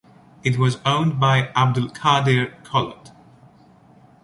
It was owned by Abdulkadir Kolot.